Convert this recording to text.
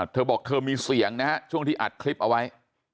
เธอบอกเธอมีเสียงนะฮะช่วงที่อัดคลิปเอาไว้